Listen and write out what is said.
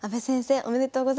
おめでとうございます。